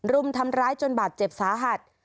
รุมทำร้ายจนบาดเจ็บสาหัส